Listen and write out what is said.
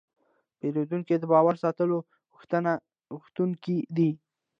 پیرودونکی د باور ساتلو غوښتونکی دی.